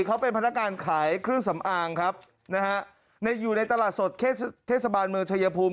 เขาเป็นพนักงานขายเครื่องสำอางครับนะฮะในอยู่ในตลาดสดเทศบาลเมืองชายภูมิ